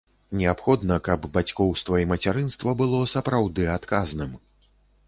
Неабходна, каб бацькоўства і мацярынства было сапраўды адказным.